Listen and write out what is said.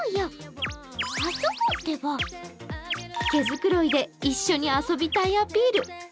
毛づくろいで一緒に遊びたいアピール。